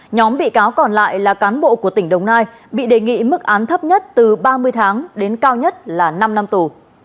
nhóm bị cáo còn lại là cán bộ của tỉnh đồng nai bị đề nghị mức án thấp nhất từ ba mươi tháng đến cao nhất là năm năm tù